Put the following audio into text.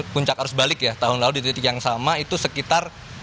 puncak arus balik ya tahun lalu di titik yang sama itu sekitar